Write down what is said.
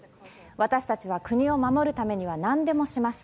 私たちは国を守るためには何でもします。